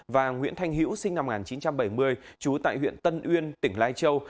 và nguyễn thanh hữu sinh năm một nghìn chín trăm bảy mươi trú tại huyện tân uyên tỉnh lai châu